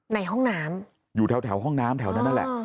ในห้องน้ำอยู่แถวห้องน้ำแถวนั้นนั่นแหละ